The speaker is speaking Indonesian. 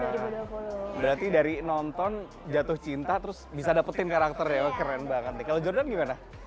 berarti dari nonton jatuh cinta terus bisa dapetin karakternya keren banget nih kalau jordan gimana